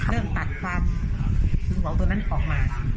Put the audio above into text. เริ่มตัดความถึงหัวตัวนั้นออกมา